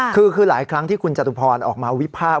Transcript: คือหลายครั้งที่คุณจตุพรออกมาวิพากษ